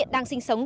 đang sinh sống